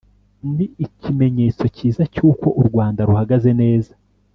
ni ikimenyetso cyiza cy’uko u Rwanda ruhagaze neza